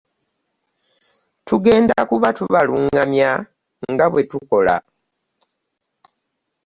Tugenda kuba tubaluŋŋamya nga bwe tukola.